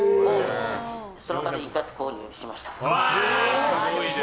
その場で一括購入しました。